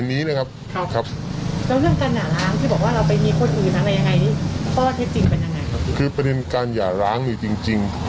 ข้อที่จริงเป็นยังไงครับคือประเด็นการหย่าร้างจริงจริง